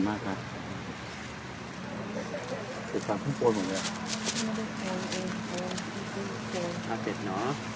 สวัสดีครับทุกคน